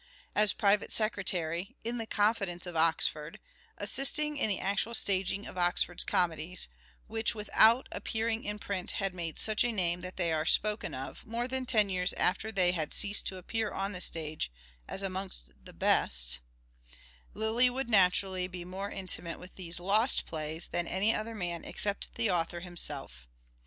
As private secietary, in the confidence of Oxford, assisting in the actual staging of Oxford's comedies, which without appearing in print had made such a name that they are spoken of, more than ten years after they had ceased to appear on the stage, as amongst "the best,"* Lyly would naturally he more intimate with these " lost plays " than any other man except the author himself.